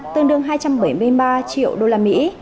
tương đương hai trăm bảy mươi ba triệu đô la mỹ